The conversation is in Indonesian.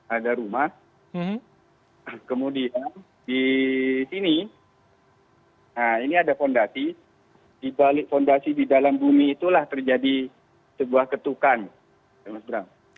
ada rumah kemudian di sini nah ini ada fondasi dibalik fondasi di dalam bumi itulah terjadi sebuah ketukan mas bram